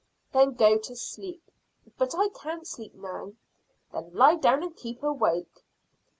"Then go to sleep." "But I can't sleep now." "Then lie down and keep awake."